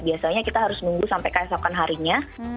biasanya kita harus nunggu sampai keesokan harinya